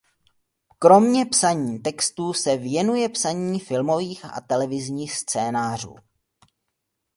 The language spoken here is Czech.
Kromě psaní textů se věnuje psaní filmových a televizních scénářů.